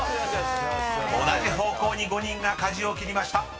［同じ方向に５人が舵を切りました］